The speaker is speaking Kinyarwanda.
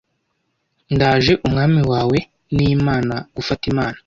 Ndaje Umwami wawe nImana gufata Imana